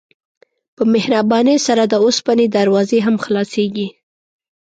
په مهربانۍ سره د اوسپنې دروازې هم خلاصیږي.